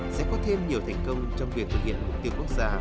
sẽ có thêm nhiều thành công trong việc thực hiện mục tiêu quốc gia